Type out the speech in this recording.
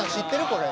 これ。